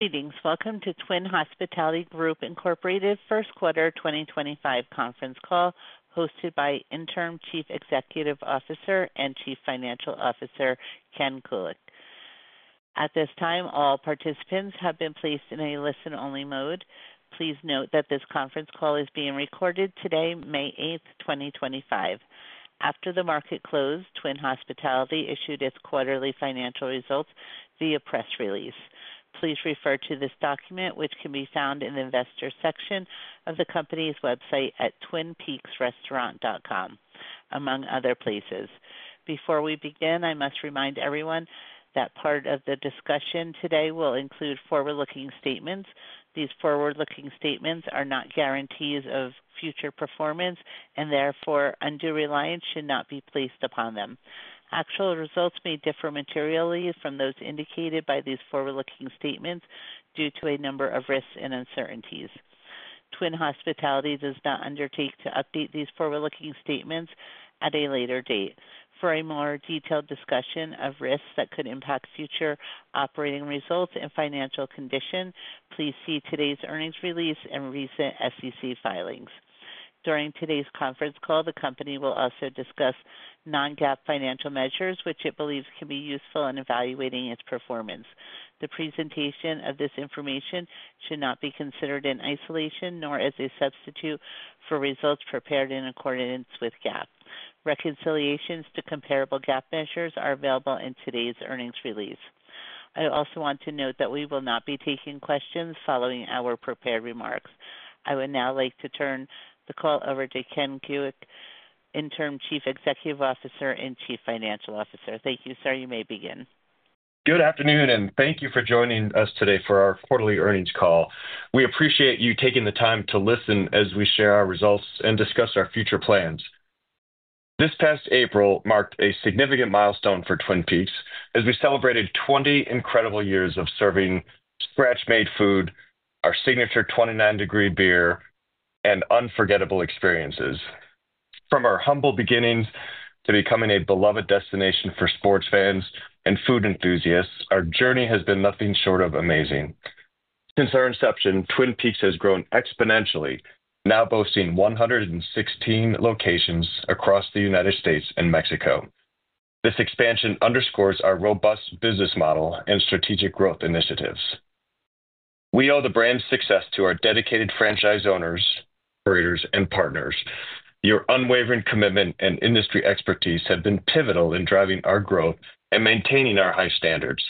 Greetings. Welcome to Twin Hospitality Group Incorporated, first quarter 2025 conference call hosted by Interim Chief Executive Officer and Chief Financial Officer, Ken Kuick. At this time, all participants have been placed in a listen-only mode. Please note that this conference call is being recorded today, May 8th, 2025. After the market closed, Twin Hospitality issued its quarterly financial results via press release. Please refer to this document, which can be found in the investor section of the company's website at twinpeaksrestaurant.com, among other places. Before we begin, I must remind everyone that part of the discussion today will include forward-looking statements. These forward-looking statements are not guarantees of future performance, and therefore, undue reliance should not be placed upon them. Actual results may differ materially from those indicated by these forward-looking statements due to a number of risks and uncertainties. Twin Hospitality does not undertake to update these forward-looking statements at a later date. For a more detailed discussion of risks that could impact future operating results and financial condition, please see today's earnings release and recent SEC filings. During today's conference call, the company will also discuss non-GAAP financial measures, which it believes can be useful in evaluating its performance. The presentation of this information should not be considered in isolation nor as a substitute for results prepared in accordance with GAAP. Reconciliations to comparable GAAP measures are available in today's earnings release. I also want to note that we will not be taking questions following our prepared remarks. I would now like to turn the call over to Ken Kuick, Interim Chief Executive Officer and Chief Financial Officer. Thank you, sir. You may begin. Good afternoon, and thank you for joining us today for our quarterly earnings call. We appreciate you taking the time to listen as we share our results and discuss our future plans. This past April marked a significant milestone for Twin Peaks as we celebrated 20 incredible years of serving scratch-made food, our signature 29-degree beer, and unforgettable experiences. From our humble beginnings to becoming a beloved destination for sports fans and food enthusiasts, our journey has been nothing short of amazing. Since our inception, Twin Peaks has grown exponentially, now boasting 116 locations across the United States and Mexico. This expansion underscores our robust business model and strategic growth initiatives. We owe the brand's success to our dedicated franchise owners, operators, and partners. Your unwavering commitment and industry expertise have been pivotal in driving our growth and maintaining our high standards.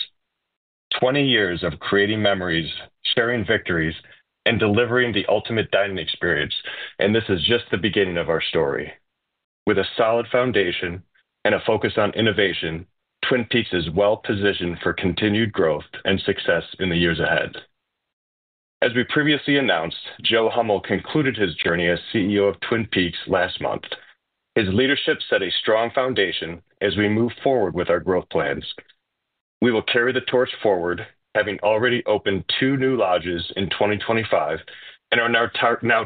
Twenty years of creating memories, sharing victories, and delivering the ultimate dining experience, and this is just the beginning of our story. With a solid foundation and a focus on innovation, Twin Peaks is well-positioned for continued growth and success in the years ahead. As we previously announced, Joe Hummel concluded his journey as CEO of Twin Peaks last month. His leadership set a strong foundation as we move forward with our growth plans. We will carry the torch forward, having already opened two new lodges in 2025, and are now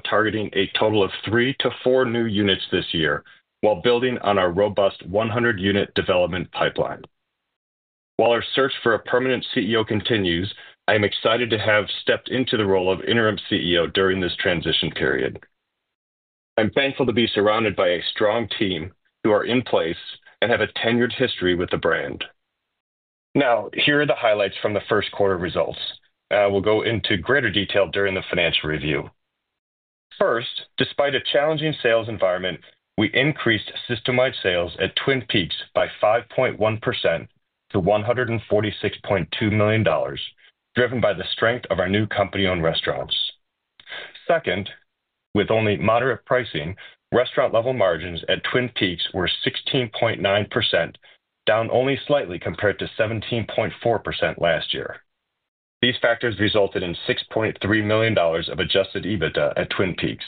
targeting a total of three to four new units this year while building on our robust 100-unit development pipeline. While our search for a permanent CEO continues, I am excited to have stepped into the role of Interim CEO during this transition period. I'm thankful to be surrounded by a strong team who are in place and have a tenured history with the brand. Now, here are the highlights from the first quarter results. We'll go into greater detail during the financial review. First, despite a challenging sales environment, we increased system-wide sales at Twin Peaks by 5.1% to $146.2 million, driven by the strength of our new company-owned restaurants. Second, with only moderate pricing, restaurant-level margins at Twin Peaks were 16.9%, down only slightly compared to 17.4% last year. These factors resulted in $6.3 million of adjusted EBITDA at Twin Peaks.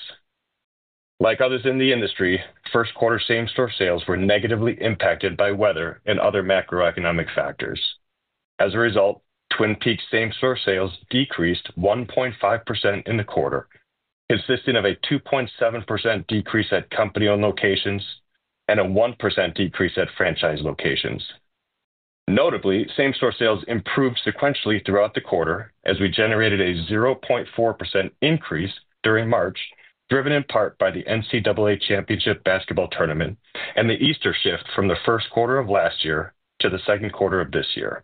Like others in the industry, first-quarter same-store sales were negatively impacted by weather and other macroeconomic factors. As a result, Twin Peaks' same-store sales decreased 1.5% in the quarter, consisting of a 2.7% decrease at company-owned locations and a 1% decrease at franchise locations. Notably, same-store sales improved sequentially throughout the quarter as we generated a 0.4% increase during March, driven in part by the NCAA Championship Basketball Tournament and the Easter shift from the first quarter of last year to the second quarter of this year.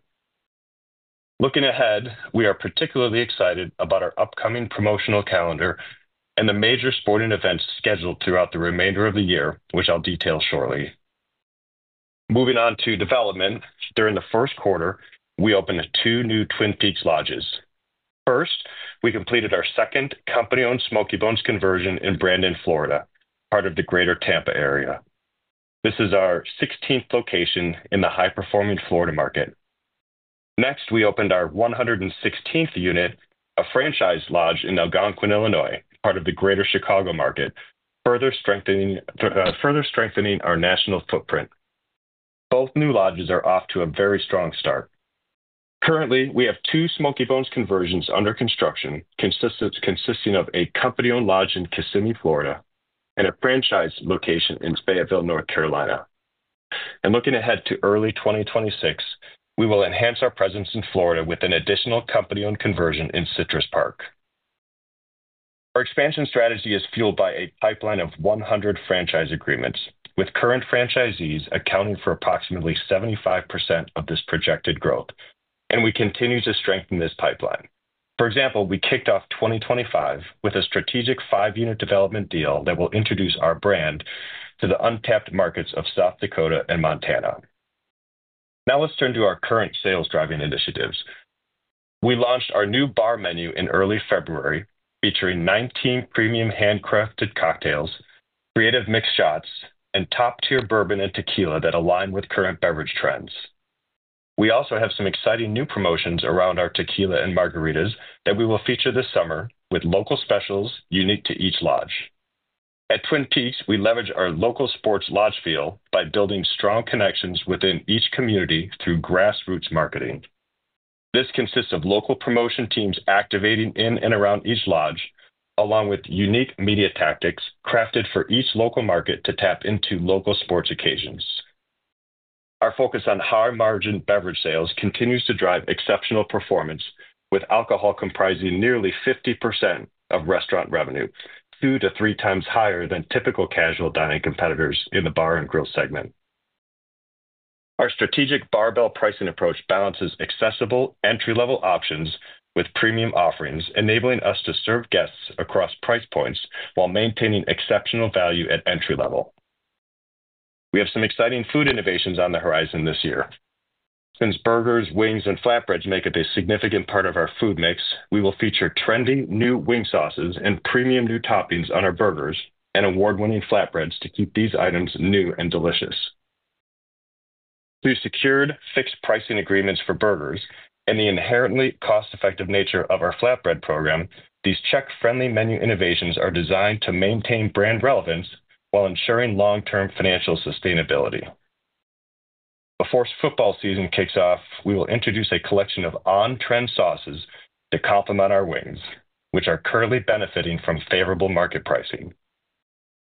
Looking ahead, we are particularly excited about our upcoming promotional calendar and the major sporting events scheduled throughout the remainder of the year, which I'll detail shortly. Moving on to development, during the first quarter, we opened two new Twin Peaks lodges. First, we completed our second company-owned Smokey Bones conversion in Brandon, Florida, part of the greater Tampa area. This is our 16th location in the high-performing Florida market. Next, we opened our 116th unit, a franchise lodge in Algonquin, Illinois, part of the greater Chicago market, further strengthening our national footprint. Both new lodges are off to a very strong start. Currently, we have two Smokey Bones conversions under construction, consisting of a company-owned lodge in Kissimmee, Florida, and a franchise location in Fayetteville, North Carolina. Looking ahead to early 2026, we will enhance our presence in Florida with an additional company-owned conversion in Citrus Park. Our expansion strategy is fueled by a pipeline of 100 franchise agreements, with current franchisees accounting for approximately 75% of this projected growth, and we continue to strengthen this pipeline. For example, we kicked off 2025 with a strategic five-unit development deal that will introduce our brand to the untapped markets of South Dakota and Montana. Now let's turn to our current sales-driving initiatives. We launched our new bar menu in early February, featuring 19 premium handcrafted cocktails, creative mix shots, and top-tier bourbon and tequila that align with current beverage trends. We also have some exciting new promotions around our tequila and margaritas that we will feature this summer with local specials unique to each lodge. At Twin Peaks, we leverage our local sports lodge feel by building strong connections within each community through grassroots marketing. This consists of local promotion teams activating in and around each lodge, along with unique media tactics crafted for each local market to tap into local sports occasions. Our focus on high-margin beverage sales continues to drive exceptional performance, with alcohol comprising nearly 50% of restaurant revenue, two to three times higher than typical casual dining competitors in the bar and grill segment. Our strategic barbell pricing approach balances accessible entry-level options with premium offerings, enabling us to serve guests across price points while maintaining exceptional value at entry level. We have some exciting food innovations on the horizon this year. Since burgers, wings, and flatbreads make up a significant part of our food mix, we will feature trendy new wing sauces and premium new toppings on our burgers and award-winning flatbreads to keep these items new and delicious. Through secured fixed pricing agreements for burgers and the inherently cost-effective nature of our flatbread program, these check-friendly menu innovations are designed to maintain brand relevance while ensuring long-term financial sustainability. Before football season kicks off, we will introduce a collection of on-trend sauces to complement our wings, which are currently benefiting from favorable market pricing.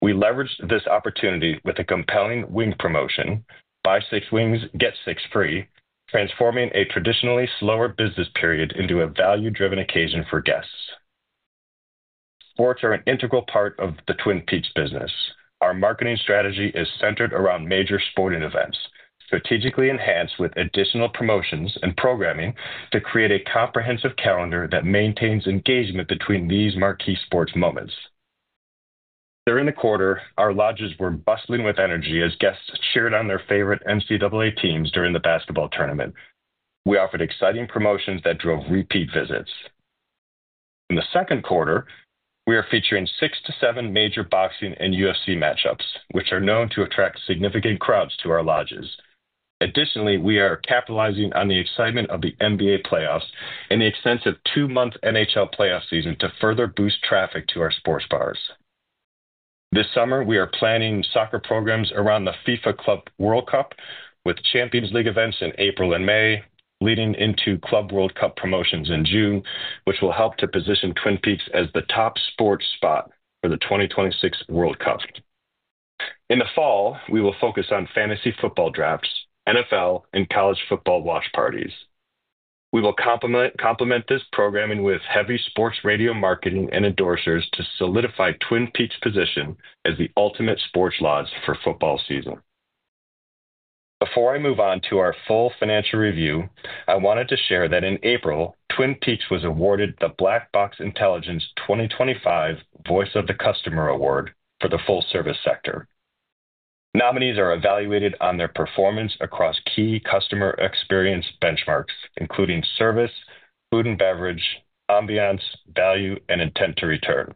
We leveraged this opportunity with a compelling wing promotion, "Buy six wings, get six free," transforming a traditionally slower business period into a value-driven occasion for guests. Sports are an integral part of the Twin Peaks business. Our marketing strategy is centered around major sporting events, strategically enhanced with additional promotions and programming to create a comprehensive calendar that maintains engagement between these marquee sports moments. During the quarter, our lodges were bustling with energy as guests cheered on their favorite NCAA teams during the basketball tournament. We offered exciting promotions that drove repeat visits. In the second quarter, we are featuring six to seven major boxing and UFC matchups, which are known to attract significant crowds to our lodges. Additionally, we are capitalizing on the excitement of the NBA playoffs and the extensive two-month NHL playoff season to further boost traffic to our sports bars. This summer, we are planning soccer programs around the FIFA Club World Cup, with Champions League events in April and May, leading into Club World Cup promotions in June, which will help to position Twin Peaks as the top sports spot for the 2026 World Cup. In the fall, we will focus on fantasy football drafts, NFL, and college football watch parties. We will complement this programming with heavy sports radio marketing and endorsers to solidify Twin Peaks' position as the ultimate sports lodge for football season. Before I move on to our full financial review, I wanted to share that in April, Twin Peaks was awarded the Black Box Intelligence 2025 Voice of the Customer Award for the full-service sector. Nominees are evaluated on their performance across key customer experience benchmarks, including service, food and beverage, ambiance, value, and intent to return.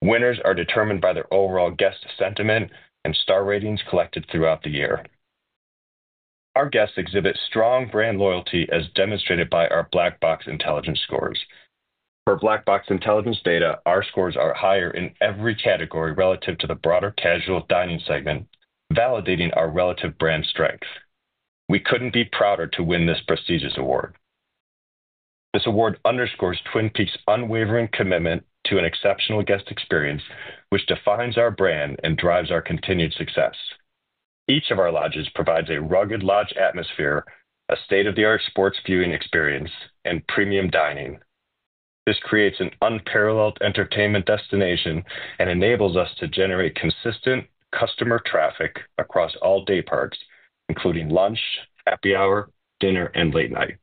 Winners are determined by their overall guest sentiment and star ratings collected throughout the year. Our guests exhibit strong brand loyalty, as demonstrated by our Black Box Intelligence scores. Per Black Box Intelligence data, our scores are higher in every category relative to the broader casual dining segment, validating our relative brand strength. We couldn't be prouder to win this prestigious award. This award underscores Twin Peaks' unwavering commitment to an exceptional guest experience, which defines our brand and drives our continued success. Each of our lodges provides a rugged lodge atmosphere, a state-of-the-art sports viewing experience, and premium dining. This creates an unparalleled entertainment destination and enables us to generate consistent customer traffic across all day parts, including lunch, happy hour, dinner, and late night.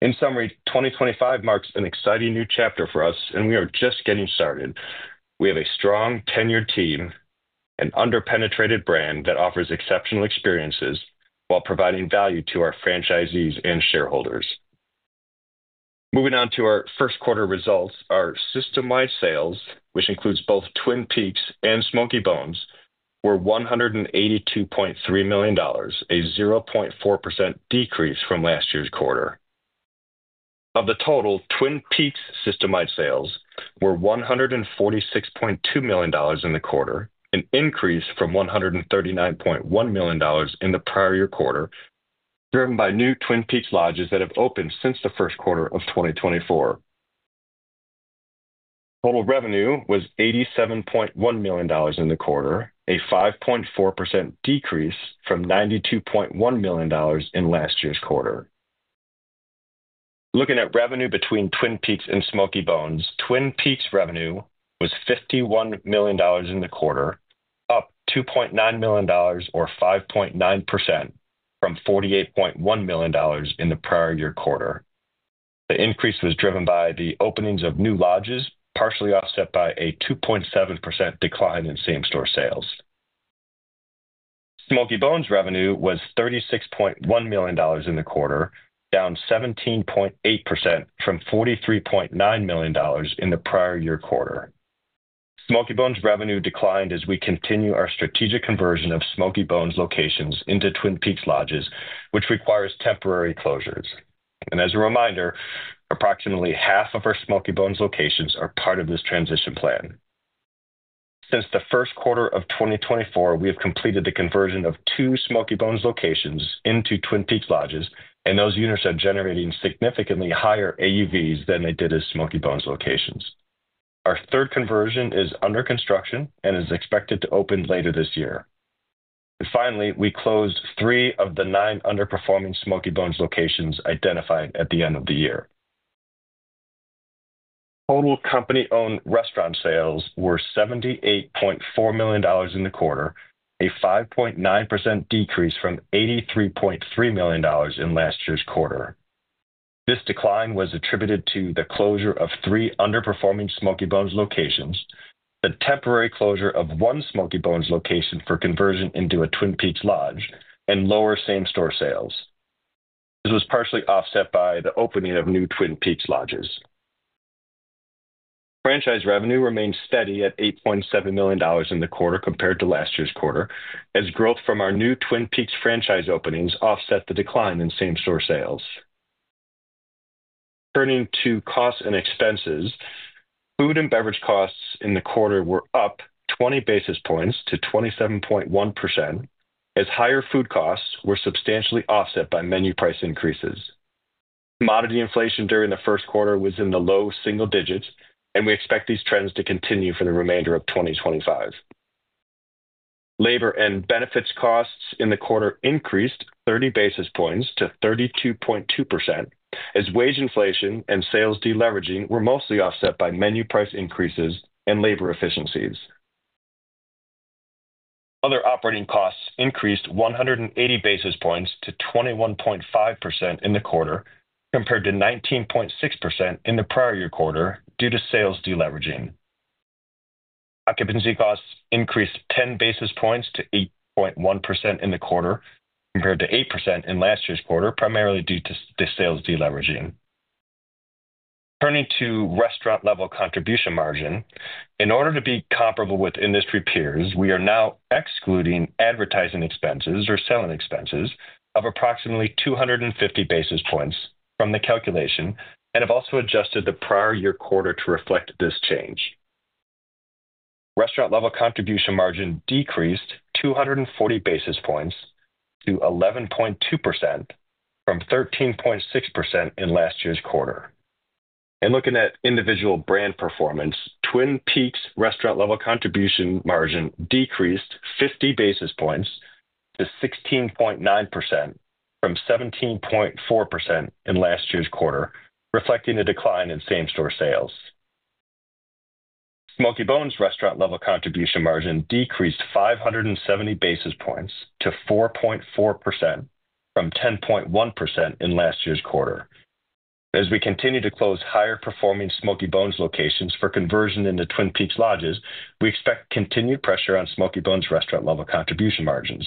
In summary, 2025 marks an exciting new chapter for us, and we are just getting started. We have a strong, tenured team, an under-penetrated brand that offers exceptional experiences while providing value to our franchisees and shareholders. Moving on to our first quarter results, our system-wide sales, which includes both Twin Peaks and Smokey Bones, were $182.3 million, a 0.4% decrease from last year's quarter. Of the total, Twin Peaks' system-wide sales were $146.2 million in the quarter, an increase from $139.1 million in the prior year quarter, driven by new Twin Peaks lodges that have opened since the first quarter of 2024. Total revenue was $87.1 million in the quarter, a 5.4% decrease from $92.1 million in last year's quarter. Looking at revenue between Twin Peaks and Smokey Bones, Twin Peaks' revenue was $51 million in the quarter, up $2.9 million, or 5.9%, from $48.1 million in the prior year quarter. The increase was driven by the openings of new lodges, partially offset by a 2.7% decline in same-store sales. Smokey Bones' revenue was $36.1 million in the quarter, down 17.8% from $43.9 million in the prior year quarter. Smokey Bones' revenue declined as we continue our strategic conversion of Smokey Bones locations into Twin Peaks lodges, which requires temporary closures. As a reminder, approximately half of our Smokey Bones locations are part of this transition plan. Since the first quarter of 2024, we have completed the conversion of two Smokey Bones locations into Twin Peaks lodges, and those units are generating significantly higher AUVs than they did as Smokey Bones locations. Our third conversion is under construction and is expected to open later this year. Finally, we closed three of the nine underperforming Smokey Bones locations identified at the end of the year. Total company-owned restaurant sales were $78.4 million in the quarter, a 5.9% decrease from $83.3 million in last year's quarter. This decline was attributed to the closure of three underperforming Smokey Bones locations, the temporary closure of one Smokey Bones location for conversion into a Twin Peaks lodge, and lower same-store sales. This was partially offset by the opening of new Twin Peaks lodges. Franchise revenue remained steady at $8.7 million in the quarter compared to last year's quarter, as growth from our new Twin Peaks franchise openings offset the decline in same-store sales. Turning to costs and expenses, food and beverage costs in the quarter were up 20 basis points to 27.1%, as higher food costs were substantially offset by menu price increases. Commodity inflation during the first quarter was in the low single digits, and we expect these trends to continue for the remainder of 2025. Labor and benefits costs in the quarter increased 30 basis points to 32.2%, as wage inflation and sales deleveraging were mostly offset by menu price increases and labor efficiencies. Other operating costs increased 180 basis points to 21.5% in the quarter, compared to 19.6% in the prior year quarter due to sales deleveraging. Occupancy costs increased 10 basis points to 8.1% in the quarter, compared to 8% in last year's quarter, primarily due to sales deleveraging. Turning to restaurant-level contribution margin, in order to be comparable with industry peers, we are now excluding advertising expenses or selling expenses of approximately 250 basis points from the calculation and have also adjusted the prior year quarter to reflect this change. Restaurant-level contribution margin decreased 240 basis points to 11.2% from 13.6% in last year's quarter. Looking at individual brand performance, Twin Peaks' restaurant-level contribution margin decreased 50 basis points to 16.9% from 17.4% in last year's quarter, reflecting a decline in same-store sales. Smokey Bones' restaurant-level contribution margin decreased 570 basis points to 4.4% from 10.1% in last year's quarter. As we continue to close higher-performing Smokey Bones locations for conversion into Twin Peaks lodges, we expect continued pressure on Smokey Bones' restaurant-level contribution margins.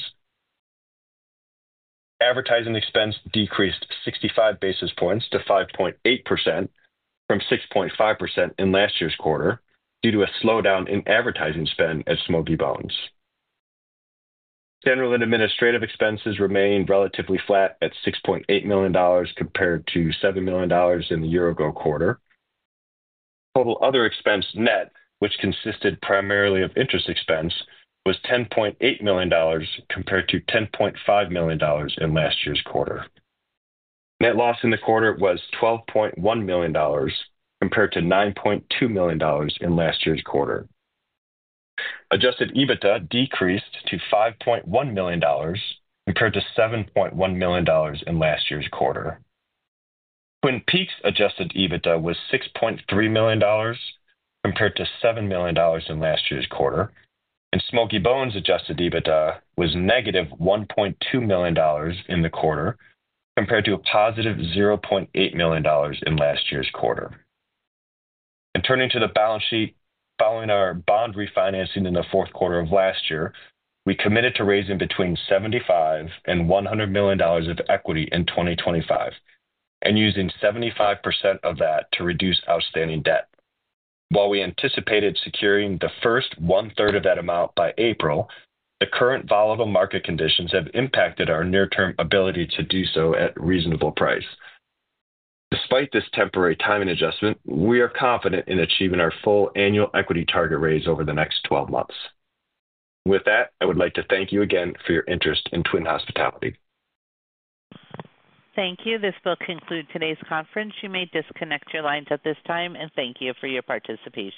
Advertising expense decreased 65 basis points to 5.8% from 6.5% in last year's quarter due to a slowdown in advertising spend at Smokey Bones. General and administrative expenses remain relatively flat at $6.8 million compared to $7 million in the year-ago quarter. Total other expense net, which consisted primarily of interest expense, was $10.8 million compared to $10.5 million in last year's quarter. Net loss in the quarter was $12.1 million compared to $9.2 million in last year's quarter. Adjusted EBITDA decreased to $5.1 million compared to $7.1 million in last year's quarter. Twin Peaks' adjusted EBITDA was $6.3 million compared to $7 million in last year's quarter, and Smokey Bones' adjusted EBITDA was -$1.2 million in the quarter compared to a +$0.8 million in last year's quarter. Turning to the balance sheet, following our bond refinancing in the fourth quarter of last year, we committed to raising between $75 million and $100 million of equity in 2025, and using 75% of that to reduce outstanding debt. While we anticipated securing the first one-third of that amount by April, the current volatile market conditions have impacted our near-term ability to do so at a reasonable price. Despite this temporary timing adjustment, we are confident in achieving our full annual equity target raise over the next 12 months. With that, I would like to thank you again for your interest in Twin Hospitality. Thank you. This will conclude today's conference. You may disconnect your lines at this time, and thank you for your participation.